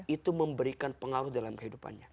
itu memberikan pengaruh dalam kehidupannya